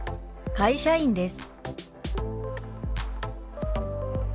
「会社員です」。